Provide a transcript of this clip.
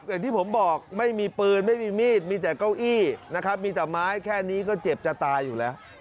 อย่างที่ผมบอกไม่มีปืนไม่มีมีดมีแต่เก้าอี้นะครับมีแต่ไม้แค่นี้ก็เจ็บจะตายอยู่แล้ว